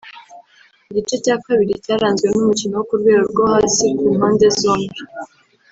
Igice cya kabiri cyaranzwe n’umukino wo ku rwego rwo hasi ku mpande zombi